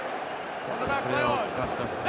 今のは大きかったですね。